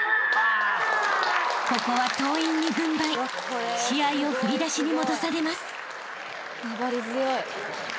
［ここは桐蔭に軍配試合を振り出しに戻されます］